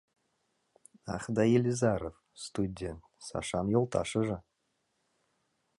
Ах да, Елизаров... студент, Сашан йолташыже.